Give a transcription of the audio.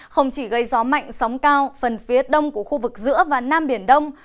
không chỉ gây gió mạnh sóng cao phần phía đông của khu vực giữa và nam biển đông